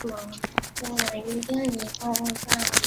古奥德吕雄。